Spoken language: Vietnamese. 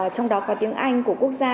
trong đó có tiếng anh của quốc gia